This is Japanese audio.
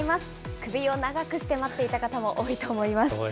首を長くして待っていた方も多いと思います。